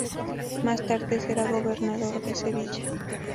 Más tarde será gobernador de Sevilla.